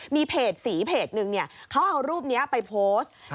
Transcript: มีเพจสีเพจนึงเขาเอารูปนี้ไปโพสต์